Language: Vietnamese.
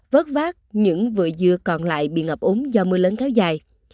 vớt vát những vựa dưa còn lại bị ngập ống do mưa lớn kéo dài